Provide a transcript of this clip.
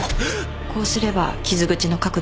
こうすれば傷口の角度が合います。